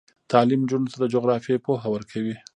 تعلیم نجونو ته د جغرافیې پوهه ورکوي.